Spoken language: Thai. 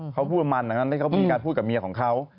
เขาพูดประมาณนั้นที่เขามีการพูดกับเมียของเขา